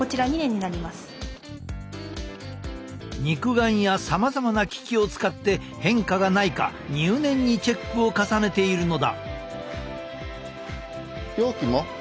肉眼やさまざまな機器を使って変化がないか入念にチェックを重ねているのだ。